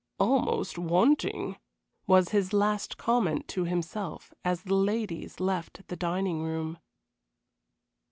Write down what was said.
"Almost wanting," was his last comment to himself as the ladies left the dining room.